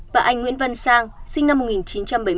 và anh nguyễn văn sang sinh năm một nghìn chín trăm bảy mươi